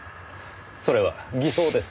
それは偽装です。